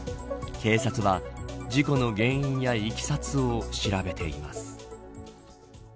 警察は事故の原因やいきさつを調べています。